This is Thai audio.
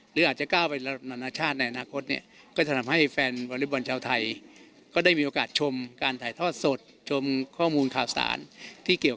หรืออาจจะก้าวไประดับนานชาติในอนาคตเนี่ย